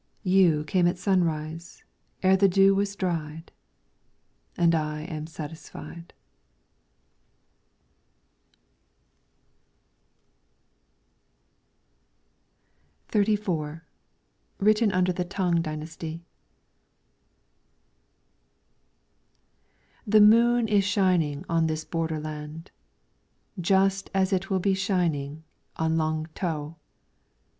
You came at sunrise, ere the dew was dried, And I am satisfied. 37 LYRICS FROM THE CHINESE XXXIV Written under the T'ang dynasty. The moon is shining on this borderland, Just as it will be shining on Lung t'ow.